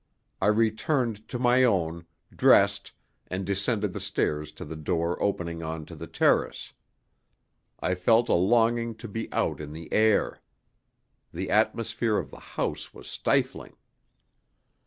I returned to my own, dressed, and descended the stairs to the door opening on to the terrace. I felt a longing to be out in the air. The atmosphere of the house was stifling.